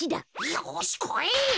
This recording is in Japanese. よしこい！